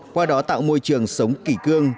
qua đó tạo môi trường sống kỳ cương